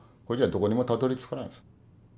それじゃどこにもたどりつかないですよ。